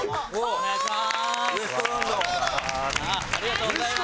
お願いします。